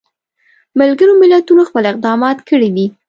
ملګرو ملتونو خپل اقدامات کړي دي.